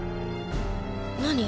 何？